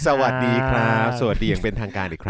สวัสดีครับสวัสดีอย่างเป็นทางการอีกครั้ง